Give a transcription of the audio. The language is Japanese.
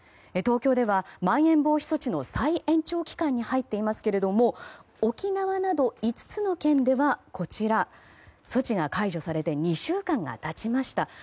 東京では、まん延防止措置の再延長期間に入っていますが沖縄など５つの県では措置が解除されて２週間が経ちました。